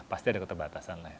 pasti ada keterbatasan lah ya